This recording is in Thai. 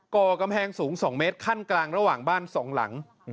ก่อกำแพงสูง๒เมตรขั้นกลางระหว่างบ้าน๒หลัง